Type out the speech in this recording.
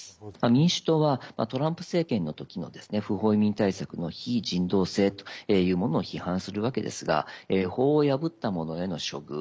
民主党はトランプ政権の時の不法移民対策の非人道性というものを批判するわけですが法を破った者への処遇